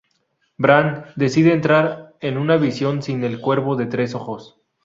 Bran decide entrar en una visión sin el Cuervo de tres ojos.